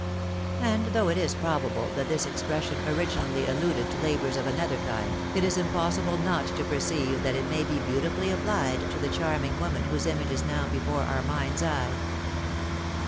And though it is probable that this expression originally alluded to labours of another kind, it is impossible not to perceive that it may be beautifully applied to the charming woman whose image is now before our mind's eye.